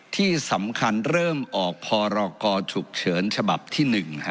ที่สำคัญเริ่มออกพรกรฉุกเฉินฉบับที่๑